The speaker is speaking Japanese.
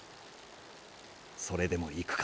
それでも行くか？